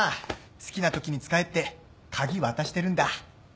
好きなときに使えって鍵渡してるんだ。